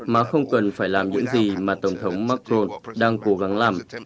mà không cần phải làm những gì mà tổng thống macron đang cố gắng làm